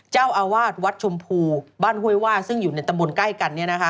เจ้าอาวาสวัดชมพูบ้านห้วยว่าซึ่งอยู่ในตำบลใกล้กัน